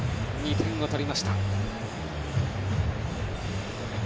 ２点を取りました。